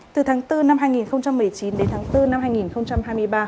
từ tháng bốn năm hai nghìn một mươi chín đến tháng bốn năm hai nghìn hai mươi ba